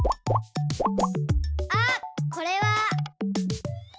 あっこれは。